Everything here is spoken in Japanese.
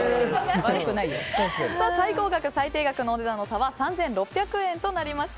最高額、最低額のお値段の差は３６００円となりました。